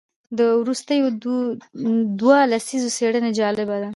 د وروستیو دوو لسیزو څېړنې جالبه دي.